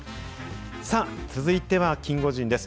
続いてはキンゴジンです。